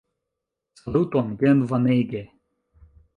Saluton! Jen Vanege!